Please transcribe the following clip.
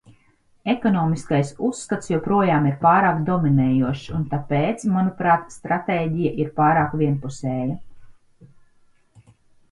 Ekonomiskais uzskats joprojām ir pārāk dominējošs un tāpēc, manuprāt, stratēģija ir pārāk vienpusēja.